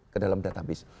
ke dalam database